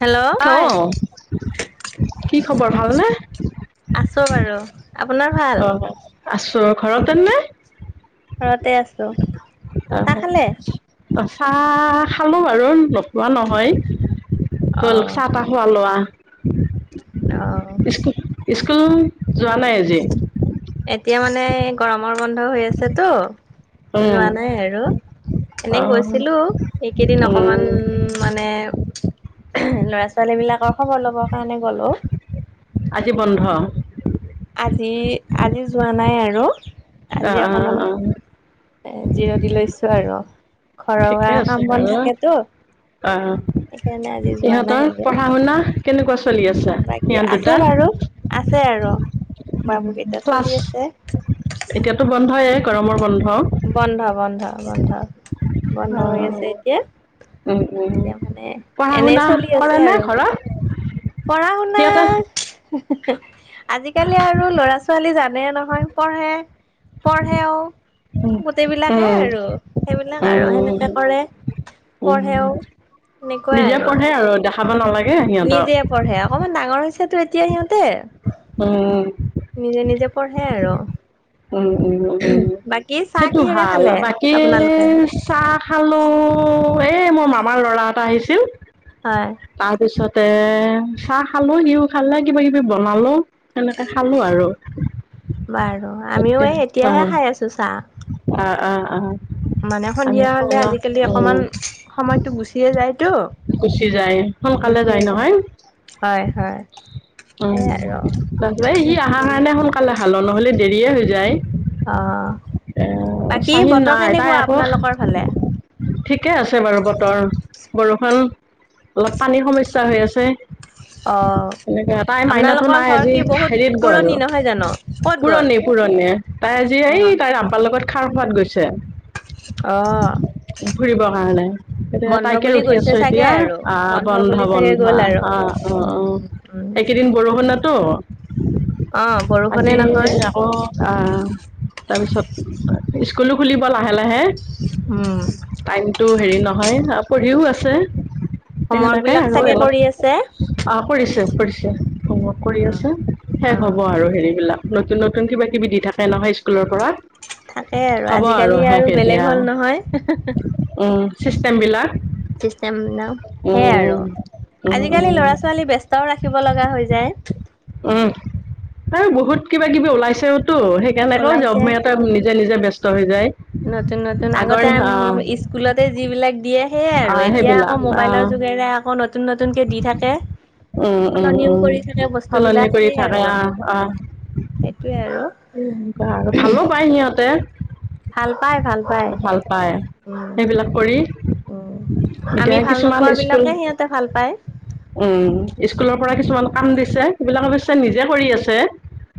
Hello হয় অঁ', কি খবৰ ভাল নে? আছো বাৰু। আপোনাৰ ভাল? অ', আছো ঘৰতে নে? ঘৰতে আছো। চাহ খালে? আহ। অ', -চাহ খালো বাৰু নোখোৱা নহয়, অ', চাহ-তাহ- খোৱা-লোৱা। অ', স্কুল-স্কুল যোৱা নাই আজি? এতিয়া মানে গৰমৰ বন্ধ হৈ আছে তো। উম, যোৱা নাই আৰু। এনেই অ' গৈছিলো, এইকেইদিন উম। অকণমান- মানে ল'ৰা-ছোৱালী বিলাকৰ খবৰ লবৰ কাৰণে গ'লো। আজি বন্ধ। আজি, আজি যোৱা নাই আৰু। অ, আজি অ, অকমান অ, অ। এ জিৰনী লৈছো আৰু ঘৰ আ ঠিকে আছে কাম -বন বাৰু। থাকেতো? সেইকাৰণে আজি যোৱা নাই আৰু। ভাওনা কেনেকুৱা চলি আছে বাকী ইহঁত আছে দুটা। বাৰু আছে আৰু বাবু কেইটা ক্লাছ চলি আছে। এতিয়াতো বন্ধয়ে গৰমৰ বন্ধ। বন্ধ বন্ধ বন্ধ বন্ধ হৈ আছে এতিয়া। উম, উম, এতিয়া মানে পঢ়া এনে শুনা চলি আছে কৰে নে আৰু। ঘৰত? পঢ়া শুনা। সিহঁতৰ আজিকালি আৰু লৰা-ছোৱালী জানে নহয় পঢ়ে পঢ়েও। উম। গোটেইবিলাকে আৰু সেইবিলাক আৰু উম, সেনেকে কৰে। উম পঢ়েও নিজে পঢ়ে আৰু দেখাব নালাগে নিজে সিহঁতক। পঢ়ে অকমান ডাঙৰ হৈছে তো এতিয়া সিহঁতে, উম, নিজে নিজে। পঢ়ে আৰু। উম উম উম উম বাকী চাহ সেইটো কিহেৰে ভাল খালে বাকী। আপোনালোকে চাহ খালো, এ মৰো মামাৰ ল'ৰা এটা আহিছিল। হয়। তাৰ পিছতে চাহ খালো সিউ খালে কিবা কিবি বনালো। সেনেকে খালো আৰু। বাৰু আমিও এতিয়া এই এতিয়াহে খাই আছোঁ চাহ। অ অ অ। মানে আমি সন্ধিয়া হ'লে খাওলা আজিকালি অকমান উম, সময়তো গুচিয়ে যায়তো। গুচি যায় সোনকালে যায় নহয়। হয় হয় উম, সেই আৰু তাৰপিছত সি সেনেকে অহাৰ গলো কাৰণে সোনকালে হাল নহ'লে দেৰিয়ে হৈ যায়। অ, এ বাকী চাহিন বতৰ নাই তাই কেনেকুৱা আকৌ আপোনালোকৰ ফালে। ঠিকে আছে বাৰু বতৰ বৰষুণ অলপ পানীৰ সমস্যা হৈ আছে। অ এনেকে তাই মাইনাটো আপোনালোকৰ নাই ঘৰ আজি কি বহুত হেৰিত গ'ল। পুৰণি নহয় জানো ক'ত গ'ল পুৰণি পুৰণি তাই আজি অ এই তাইৰ আমাৰ লগত খাৰ খোৱাত গৈছে। আ। ফুৰিবৰ কাৰণে এতিয়া তাইকে বুলি ৰখি গৈছে আছো চাগে এতিয়া আৰু আ বুলি বন্ধ চাগে বন্ধ গ'ল আৰু আ। অ', উম অ', উম একেইদিন বৰষুণ তো। অ বৰষুণে আজি নহয় আকৌ। আ তাৰপিছত স্কুলো খুলিব লাহে লাহে। উম। টাইমতটো হেৰি নহয় পঢ়িও আছে সে হোমৱৰ্ক সেনেকাই বিলাক আৰু চাগে কৰি আছে অলপ। অ কৰিছে কৰিছে হমৰ্ক অ কৰি আছে শেষ অ হ'ব আৰু হেৰি বিলাক। নতুন নতুন কিবা কিবি দি থাকে নহয় স্কুলৰ পৰা। থাকে হ'ব আৰু শেষ এতিয়া। হয়। উম চিষ্টেম বিলাক। চিষ্টেম বিলাক সেয়াই আৰু উম আজিকালি উম ল'ৰা-ছোৱালী ব্যস্তও ৰাখিব লগা হৈ যায়। উম আৰু বহুত কিবা কিবি ওলাইছে তো সেই। কেনেটো ওলাইছে যব মেন এটা নিজে নিজে ব্যস্ত হৈ যায়। নতুন নতুন আগৰ আগতে আম আহ ইচ। স্কুলতে যিবিলাক দিয়ে সেয়াই আৰু আহ এতিয়া আকৌ সেইবিলাক মোবাইলৰ আহ যোগেৰে আকৌ নতুন নতুনকে দি থাকে। উম, উম, সলনিও উম, কৰি থাকে বস্তু সলনি বিলাক কৰি সে থাকে আৰু আহ, সেইটোৱে আৰু। সেনেকোৱা আৰু ভালো পায় সিহঁতে। ভাল পাই ভাল পাই ভাল পাই উম সেইবিলাক কৰি। উম, এতিয়া আমি ভাল কিছুমান নোপোৱা স্কুল বিলাকে সিহঁতে ভাল পায়। উম, স্কুলৰ পৰা উম কিছুমান কাম দিছে সেইবিলাক অৱশ্যে নিজে কৰি আছে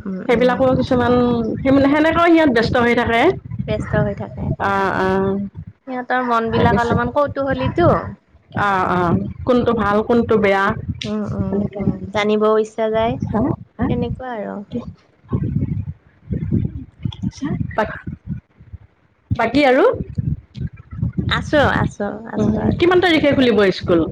উম উম সেইবিলাকো কিছ কিছুমান সিমান সেনেকৈ সিহঁত ব্যস্ত হৈ থাকে ব্যস্ত হৈ থাকে আ, আ, সিহঁতৰ মন বিলাক অলপমান কৌতুহলীতো অ', অ', কোনটো ভাল কোনটো বেয়া উম, উম, এনেকে। উম, জানিবও ইচ্ছা যায় তেনেকুৱা আৰু বাকী আৰু আছোঁ, আছোঁ উম, কিমান তাৰিখে খুলিব স্কুল?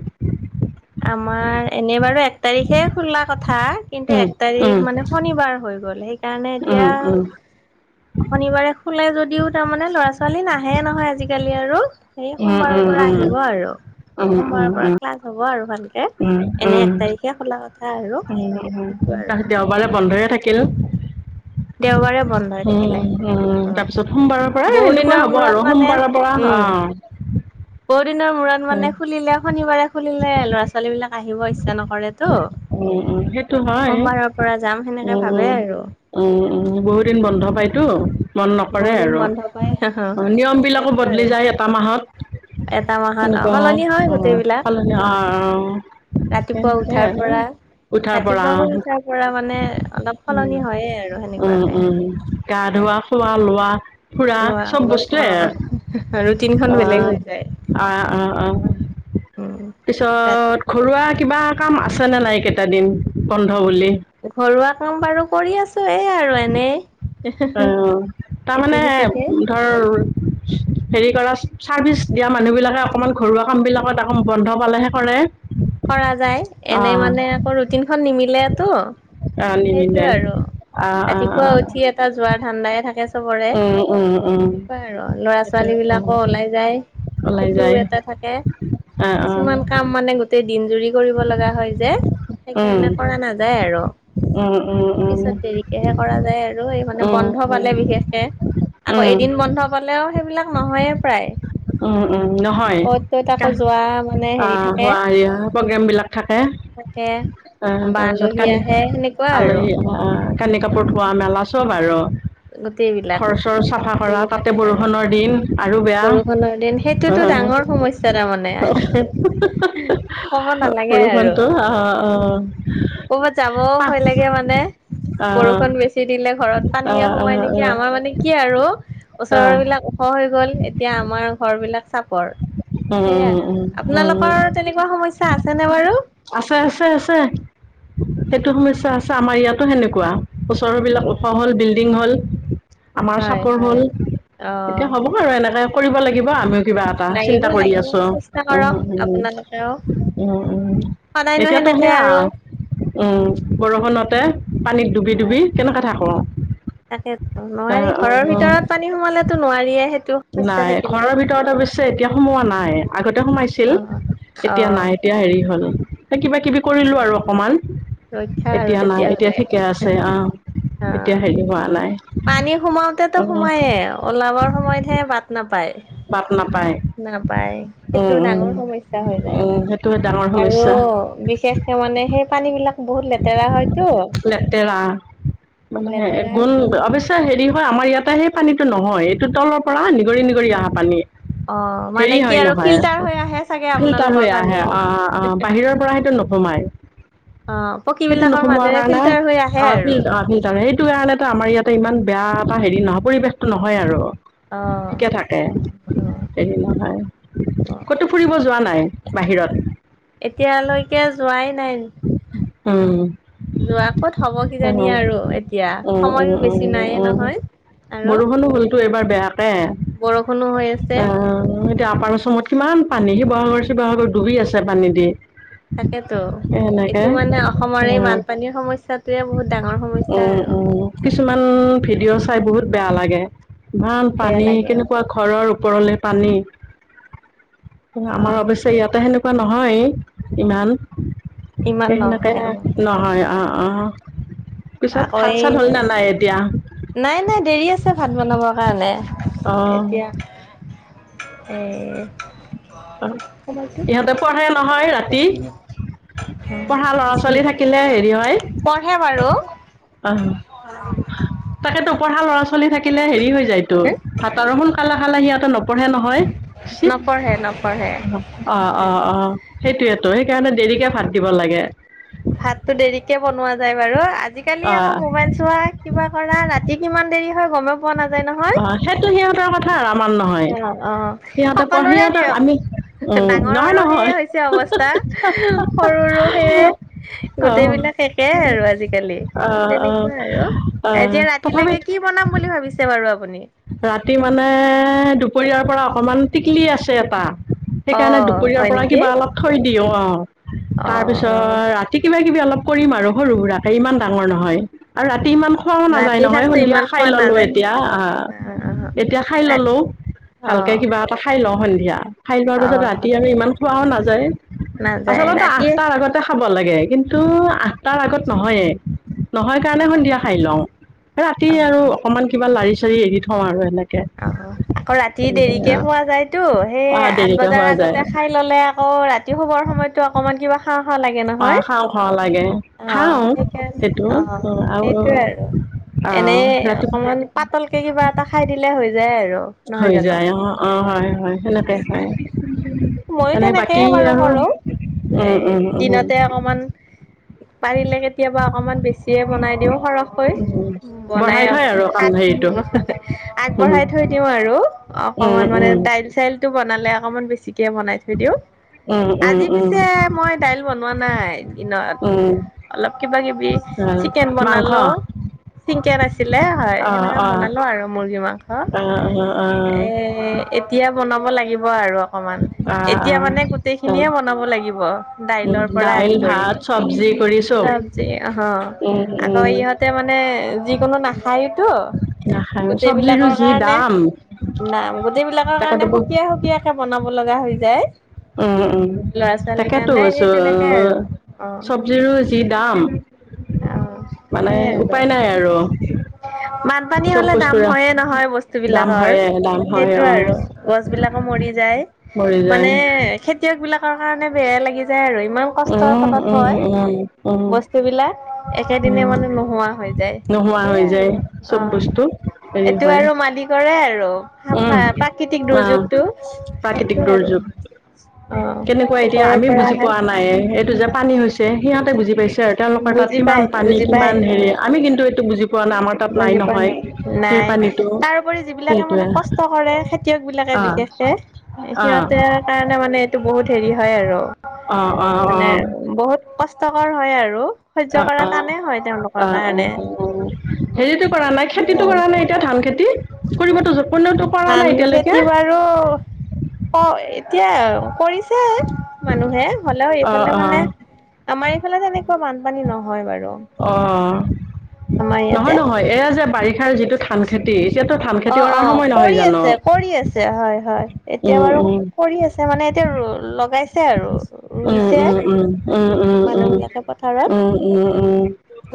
আমাৰ এনেই বাৰু এক তাৰিখে খোলা কথা কিন্তু উম, এক উম। তাৰিখ মানে শনিবাৰ হৈ গল, সেইকাৰণে এতিয়া শনিবাৰে খোলে যদিও তাৰমানে ল'ৰা ছোৱালী নাহে নহয় আজিকালি আৰু। সেই সোমবাৰৰ পৰা আহিব আৰু সোমবাৰৰ পৰা ক্লাছ হ'ব আৰু ভাল কে, উম, এনে এক উম, তাৰিখে খোলা কথা আৰু উম, উম। সেইটো আৰু। [unintelligible] বন্ধয়ে থাকিল দেওবাৰে বন্ধ হৈ থাকিলে। উম, উম, অ', তাৰপিছত সোমবাৰৰ পৰা বহু এনেকুৱা দিনৰ হ'ব মূৰত আৰু মানে সোমবাৰৰ পৰা উম, অ', [inaudible] বহু দিনৰ মূৰত উম মানে খুলিলে শনিবাৰে খুলিলে ল'ৰা ছো ছোৱালী বিলাক আহিব ইচ্ছা নকৰেতো উম উম, সেইটো হয় সোমবাৰৰ পৰা যাম সেনেকে উম ভাবে আৰু উম, উম, বহুত দিন সেই বন্ধ আৰু পাইতো মন নকৰে বহুত দিন আৰু বন্ধ পাই নিয়ম বিলাকো সেইটোৱে বদলি আৰু যায় এটা মাহত এটা মাহত অ সেনেকোৱা সলনি হয় অ', গোটেইবিলাক সালনি অ', ৰাতিপুৱা তেনেকে উঠাৰ আৰু পৰা উঠাৰ পৰা ৰাতিপুৱা শুই অ', উঠাৰ পৰা মানে অলপ উম, উম, সলনি হয়ে আৰু উম, সেনেকুৱাকে উম গা ধোৱা খোৱা লোৱা ফুৰা লোৱা চব অলপ বস্তুৱে অ', ৰুটিন খন বেলেগ অ', হৈ যায়। অ', অ', অ', উম ৰাতি পিছত ঘৰুৱা কিবা কাম আছেনে নাই এইকেইটা দিন বন্ধ বুলি ঘৰুৱা কাম বাৰু কৰি আছোঁ এ আৰু এনেই অ', ইটো তাৰমানে সিটোকে ধৰ হেৰি কৰা চাৰ্ভিচ দিয়া মানুহবিলাকে অকণমান ঘৰুৱা কামবিলাকত বন্ধ পালেহে কৰে কৰা যায় এনে অ', মানে আকৌ ৰুটিন খন নিমিলে টো অ', নিনিলে সেইটোৱে আৰু অ', অ', ৰাতিপুৱা অ', উঠি এটা যোৱাৰ ধান্দায়ে থাকে চবৰে উম, উম, উম, তেনেকুৱাই আৰু লৰা সেইটো ছোৱালী অ', বিলাকো ওলাই যায়। ওলাই সেইটো যায় এটা থাকে অ', কিছুমান কাম অ', মানে গোটেই দিন জুৰি কৰিব লগা হয় যে উম, সেইকাৰণে কৰা নাযায় আৰু উম, উম, পিছত দেৰিকেহে কৰা যায় আৰু এই মানে উম, বন্ধ পালে উম। বিশেষকে। আকৌ উম, এদিন বন্ধ হ'লেও সেইবিলাক নহয়ে প্ৰায়। উম-উম! নহয় অ'ত ত'ত তা আকৌ যোৱা মানে হেৰি অঁ থাকে হোৱা ৰিহা প্ৰগ্ৰেমবিলাক থাকে। থাকে আহ বা তাৰপিছত আলহী কানি আহে সেনেকুৱা আৰু আলহী আহ কানি-কাপোৰ ধোৱা, মেলা চব আৰু। গোটেইবিলাক, ঘৰ চৰ চাফা কৰা তাতে গোটেইবিলাকে আৰু। বৰষুণৰ দিন আৰু বেয়া। বৰষুণৰ দিন সেইটোতো আহ, ডাঙৰ সমস্যা তাৰমানে। [unintelligible] ক'ব নালাগে আৰু। বৰষুণটো অ', অ', অ', ক'ৰবাত যাবও অ', ভয় লাগে মানে। বৰষুণ বেছি দিলে ঘৰত পানীয়ে সোমাই নেকি? অ', আমাৰ মানে কি আৰু ওচৰৰ অ', বিলাক ওখ হৈ গ'ল এতিয়া আমাৰ ঘৰবিলাক চাপ পৰ উম, সেইয়াই আৰু। উম, উম, উম। আপোনালোকৰ তেনেকুৱা সমস্যা আছে নে বাৰু? আছে-আছে-আছে। সেইটো সমস্যা আছে আমাৰ ইয়াতো সেনেকুৱা। ওচৰ বিলাক ওখ অ', হ'ল, বিল্ডিং হ'ল, আমাৰ হয় চাপৰ হ'ল হয় এতিয়া অ', হ'ব [unintelligible] বাৰু এনেকাই কৰিব লাগিব আমিও কিবা। টা লাগিব চিন্তা কৰি লাগিব আছোঁ চেষ্টা কৰক উম-উম-উম! আপোনালোকেও উম-উম। সদায়নো এতিয়াতো সেনেকে সেয়া আৰু উম! বৰষুণতে পানীত ডুবি-ডুবি কেনেকে থাকোঁ। তাকেটো নোৱাৰি ঘৰৰ ভিতৰত পানী সোমালেতো নোৱাৰিয়েই সেইটো। সমস্যা নাই। থাকিলে ঘৰৰ ভিতৰত অৱশ্যে এতিয়া সোমোৱা নাই। আগতে সোমাইছিল অ', এতিয়া অ', নাই। এতিয়া হেৰি হ'ল। এ কিবা-কিবি কৰিলো অ', আৰু অকমান ৰক্ষা আৰু এতিয়া নাই এতিয়া তেতিয়াহ'লে ঠিকে আছে অঁ। এতিয়া অ', হেৰি হোৱা নাই। পানী সোমাওতেতো অঁ! সোমায়ে ওলাবৰ সময়তহে বাট নাপায়। বাট নাপায়? নাপায়, সেইটো উম ডাঙৰ সমস্যা হৈ উম যায়। উম সেইটো ডাঙৰ আৰু সমস্যা বিষ [unintelligible] মানে সেই পানীবিলাক বহুত লেতেৰা হয়তো লেতেৰা। মানে হে লেতেৰা গুণ অবশ্য শ্যে হেৰি হয় আমাৰ ইয়াতে সেই পানীটো নহয়। এইটো তলৰ পৰা নিগৰি-নিগৰি অহা পানী। অ', মানে হেৰি কি হয় আৰু নহয় ফিল্টাৰ হৈ আহে চাগে ফিল্টাৰ আপোনালোকৰ হৈ পানী আহে। অঁ-অঁ! বাহিৰৰ পৰা সেইটো ন সোমাই। অ', পকী সেইটো বিলাকৰ নোসোমোৱাৰ মাজেৰে কাৰণে ফিল্টাৰ হৈ আহে অঁ আৰু ফিল ফিল্টাৰ সেইটো কাৰণে ত আমাৰ ইয়াতে ইমান বেয়া এটা হেৰি নহয় পৰিৱেশটো নহয় আৰু। অঁ। এ হেৰি নহয়। অ', ক'তো ফুৰিব যোৱা নাই বাহিৰত? এতিয়ালৈকে যোৱাই নাই। উম! যোৱা ক'ত হ'ব কিজানি আৰু এতিয়া [unintelligible] সময়ো বেছি নাইয়ে উম-উম-উম-উম। নহয়। আৰু বৰষুণো হ'লতো এইবাৰ বেয়াকে। বৰষুণো হৈ আছে আহ এতিয়া আপাৰা আছামত কিমান পানী শিৱসাগৰ-চিৱসাগৰ ডুবি আছে পানী দি। তাকেতো। এনেকে এইটো মানে অসমৰে এই উম বানপানীৰ সমস্যাটোৱে বহুত ডাঙৰ সমস্যা উম আৰু। উম কিছুমান এইটো। ভিডিঅ' চাই বহুত বেয়া লাগে। ইমান বেয়া পানী লাগে কেনেকুৱা ঘৰৰ ওপৰলে পানী। আমাৰ অ', অৱশ [unintelligible] ইয়াতে সেনেকুৱা নহয় ইমান ইমান সেই সেনেকে নহয় আমাৰ ইয়াতে নহয়। অ'। অঁ! অঁ! পিছত ভাত-চাত হ'ল না নাই এতিয়া? নাই-নাই, দেৰি আছে ভাত বনাবৰ কাৰণে। অ এতিয়া এ সিহঁতে পঢ়ে নহয় ৰাতি। অ', পঢ়া ল'ৰা হৈছে ছোৱালী নেকি? থাকিলে হেৰি হয় পঢ়ে বাৰু আহ তাকেতো পঢ়া ল'ৰা ছোৱালী থাকিলে হেৰি হৈ যায়তো ভাতৰো সোনকালে খালে সিহঁতে ন নপঢ়ে নহয় চে নপঢ়ে নপঢ়ে। অ অ অ সেইটোৱেতো সেইকাৰণে দেৰিকে ভাত দিব লাগে। ভাতটো দেৰিকে বনোৱা যায় বাৰু আজিকালি আকৌ অঁ মোবাইল চোৱা কিবা কৰা ৰাতি কিমান দেৰি হয় গমেই পোৱা নাযায় নহয়। অ' সেইটো সিহঁতৰ কথা। আৰু আমাৰ নহয় অ অ সিহঁতে প সকলোৰে সিহঁতক দিয়ক আমি এ হে উম নহয় ডাঙৰৰো সেইয়ে নহয় হৈছে অৱস্থা সৰুৰো সেইয়ে গোটেই অঁ বিলাক একে আৰু আজিকালি অঁ অঁ তেনেকুৱা আৰু অঁ এতিয়া তথাপি ৰাতিলৈকে কি- কি বনাম বুলি ভাবিছে বাৰু আপুনি। ৰাতি মানে দুপৰীয়াৰ পৰা অকমান টিকলি আছে এটা। অ সেইকাৰণে দুপৰীয়াৰ হয় পৰা নেকি কিবা অলপ থৈ দিওঁ আও অ অ তাৰপিছত ৰাতি ৰাতি কিবা কিবি অলপ কৰিম আৰু সৰু সুৰাকে ইমান ডাঙৰ নহয়। আৰু ৰাতি ইমান খোৱাও ৰাতিৰ নাযায় নহয় সাজটো সন্ধিয়া ইমান খোৱা খাই ললো নাযায়তো। এতিয়া আহ। অ অ এতিয়া খাই ৰাতি ললো অ ভালকে কিবা কিবা এটা খাই লওঁ সন্ধিয়া খাই লোৱাৰ অ পিছত ৰাতি আৰু ইমান খোৱাও নাযায়। নাযায় আচলতে ৰাতিয়ে আঠটাৰ আগত খাব লাগে কিন্তু আঠটাৰ আগত নহয়ে নহয় কাৰণে সন্ধিয়া অ খাই লওঁ। ৰাতি অ', আৰু অ', অকনমান কিবা লাৰি চাৰি এৰি থওঁ আৰু এনেকে। অ আকৌ ৰাতি দেৰিকে খোৱা যায়তো সেই অঁ আঠ দেৰিকৈ বজাৰ খোৱা যায় আগতে খাই ললে আকৌ ৰাতি শুবৰ সময়তো অকণমান কিবা খাও খাও লাগে অঁ নহয় খাওঁ খাওঁ লাগে অ খাওঁ সেইকাৰণে সেইটো অ সেইটোয়ে আৰু এনে অ', ৰাতি অকমান পাতলকে কিবা এটা খাই দিলে হৈ যায় আৰু। নহয় হৈ জানো যায় অ অ হয় হয় সেনেকে হয়। ময়ো এনে তেনেকেই বাকী বাৰু আৰু কৰো এ উম উম উম দিনতে অকমান পাৰিলে কেতিয়াবা অকনমান বেছিয়ে বনাই দিওঁ সৰহকৈ বনাই বঢ়াই থয় আৰু কাম সাত হেৰিটো [unintelligible] উম, আগবঢ়াই থৈ দিওঁ আৰু উম, অকনমান মানে উম, দাইল চাইলটো বনালে অকমান বেছিকে বনাই থৈ দিওঁ উম, উম, আজি উম, পিছে মই দাইল বনোৱা নাই দিনত। উম, অলপ কিবা কিবি চিকেন মাংস বনালো অ', হিংকে নাছিলে হয় অ', সেনেকে অ', বনালো আৰু মুৰ্গী মা হ অ', এ এতিয়া বনাব লাগিব আৰু। অকমান অ', অ', এতিয়া মানে গোটেই অ', খিনিয়ে বনাব লাগিব উম, দাইলৰ পৰা দাইল, আদি কৰি ভাত, চবজি কৰি চব চবজি অ উম, আকৌ উম, ইহঁতে মানে যিকোনো নাখাইতো নাখায় চবজিৰো গোটেইবিলাকৰ যি কাৰণে দাম নাম গোটেইবিলাকৰ তাকেতো কাৰণে সুকীয়া সুকীয়া সুকীয়াকে বনাব লগা হৈ যায়। উম উম ল'ৰা ছোৱালীৰ তাকেতো কাৰণে এই কৈছো তেনেকে আৰু অ চব চবজিৰো যি দাম অ মানে সেইয়াই আৰু উপায় নাই আৰু। বানপানী চব হলে দাম বস্তুৰে হয়ে নহয় বস্তু দাম বিলাকৰ হয়ে দাম হয় সেইটো অ আৰু গছ বিলাকো মৰি যায় মৰি যায় মানে খেতি খেতিয়ক বিলাকৰ কাৰণে বেয়া লাগি যায় আৰু ইমান কষ্টৰ উম ফলত উম হয় উম উম বস্তু বিলাক উম একেদিনে মানে নোহোৱা হৈ যায় নোহোৱা হৈ সেইয়াই যায় আৰু? চব বস্তু অহ, হেৰি এইটো হয় আৰু মালিকৰে আৰু? উম', প্ৰাকৃতিক দুৰ্যোগটো অহ'। সেইটো প্ৰাকৃতিক আৰু দুৰ্যোগ। অ কেনেকুৱা! এতিয়া, ওপৰৰ আমিও পৰা বুজি আহে পোৱা নাই এইটো যে পানী হৈছে, সিহঁতে বুজি পাইছে আৰু। তেওঁলোকৰ তাত বুজি পাই কিমান পানী বুজি পাই কিমান অ হেৰি আমি কিন্তু এইটো বুজি পোৱা নাই! আমাৰ তাত নাই নহয়, সেই পানীটো। কৰি যিবিলাকে মানে সেইটোৱে কষ্ট ক, ৰে খেতিয়কবিলাকে অ বিশেষকে। অ অ সিহঁতেৰ কাৰণে মানে এইটো বহুত হেৰি হয় আৰু অ মানে বহুত কষ্টকৰ হয় আৰু সহ্য কৰা টানেই হয় তেওঁলোকৰ কাৰণে। উম, হেৰিতটো কৰা নাই, খেতিতটো সেয়াই কৰা নাই, এতিয়া ধান খেতি। কৰিবতো কোনোৱেওটো কৰা নাই এতিয়ালৈকে। [unintelligible] ক এতিয়া কৰিছে। [unintelligible] মানুহে হ'লেও অ এইফালে অ মানে আমাৰ এইফালে তেনেকুৱা বানপানী নহয় বাৰু। অহ, ' নহয়, নহয়। এয়া যে বাৰিষাৰ যিটো ধান খেতি এতিয়াতো ধান খেতি অহ, ' কৰাৰ অহ' সময় নহয় কৰি জানো আছে কৰি আছে। হয়, হয়। এতিয়া, উম বাৰু উম কৰি আছে। এতিয়া মানে এতিয়া ৰ' লগাইছে আৰু। উম ৰুইছে উম উম উম উম উম মানুহবিলাকে পথাৰত। উম উম উম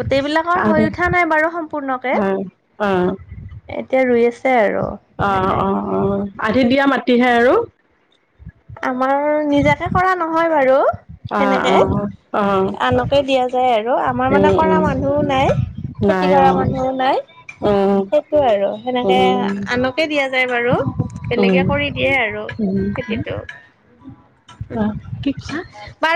গোটেই বিলাকৰ হৈ উঠা নাই বাৰু সম্পূৰ্ণকে। উম। এতিয়া, ৰুই আছে আৰু এনেকে। অহ, আধিত দিয়া মাটিহে আৰু? আমাৰ নিজাকে কৰা নহয় বাৰু অ অ সেনেকে, অ আনক আনকে দিয়া যায় আৰু আমাৰ মানে উম কৰা উম মানুহও নাই, খেতি নাই অ কৰা মানুহও নাই। উম সেইটো আৰু সেনেকে উম আনকে দিয়া যায় বাৰু। উম বেলেগে কৰি দিয়ে আৰু খেতিটো। অহ, কি কৈছা? বাৰু